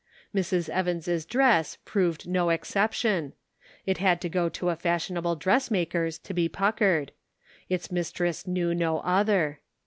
Mrs. Evans' dress proved no exception ; it had to go to a fashionable dress maker's to be puckered ; its mistress knew no other.